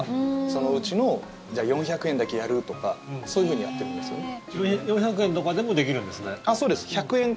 そのうちのじゃあ４００円だけやるとかそういうふうにやってるんですよね。